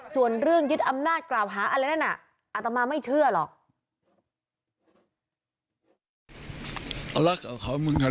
ส่วนเรื่องยึดอำนาจกล่าวหาอะไรนั่นน่ะอัตมาไม่เชื่อหรอก